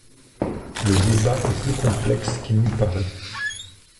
Le débat est plus complexe qu’il n’y paraît.